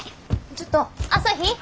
ちょっと朝陽！